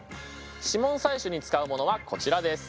指紋採取に使うものはこちらです。